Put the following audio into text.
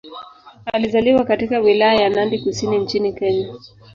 Alizaliwa katika Wilaya ya Nandi Kusini nchini Kenya.